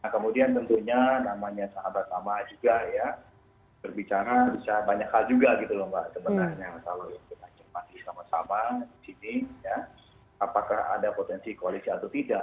kemudian tentunya namanya sahabat lama juga ya berbicara bisa banyak hal juga gitu loh mbak sebenarnya kalau kita cermati sama sama di sini ya apakah ada potensi koalisi atau tidak